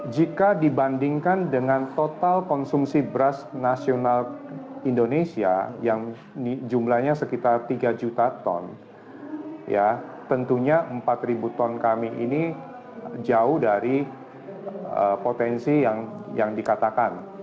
jika dibandingkan dengan total konsumsi beras nasional indonesia yang jumlahnya sekitar tiga juta ton tentunya empat ribu ton kami ini jauh dari potensi yang dikatakan